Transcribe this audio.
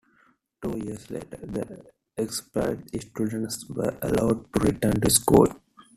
Two years later, the expelled students were allowed to return to school.